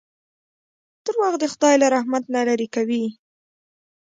• دروغ د خدای له رحمت نه لرې کوي.